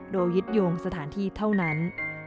โดยยึดโยงสถานที่เท่านั้น